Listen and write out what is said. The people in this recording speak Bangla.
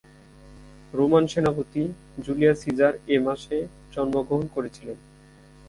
রোমান সেনাপতি জুলিয়াস সিজার এ মাসে জন্মগ্রহণ করেছিলেন।